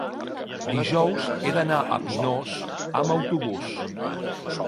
dijous he d'anar a Pinós amb autobús.